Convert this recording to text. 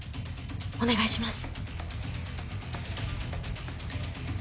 お願いします！